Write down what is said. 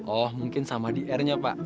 oh mungkin sama di r nya pak